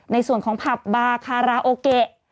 ในส่วนของผับบาคาราโอเกะ